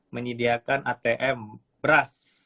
menyediakan atm beras